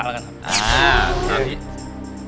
กิเลนพยองครับ